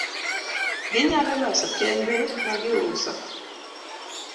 Ginyalo loso kembe ma giuso